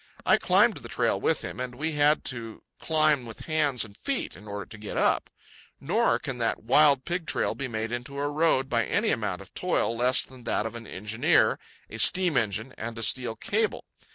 I climbed the trail with him, and we had to climb with hands and feet in order to get up. Nor can that wild pig trail be made into a road by any amount of toil less than that of an engineer, a steam engine, and a steel cable.